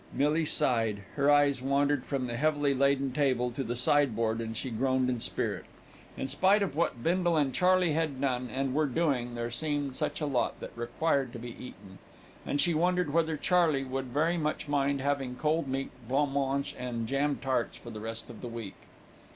Millie sighed. Her eyes wandered from the heavily laden table to the sideboard, and she groaned in spirit. In spite of what Bindle and Charley had done, and were doing, there seemed such a lot that required to be eaten, and she wondered whether Charley would very much mind having cold meat, blanc mange and jam tarts for the rest of the week.